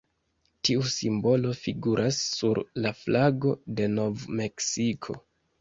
Tiu simbolo figuras sur la flago de Nov-Meksiko.